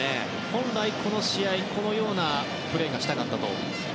本来、この試合こんなプレーがしたかったと。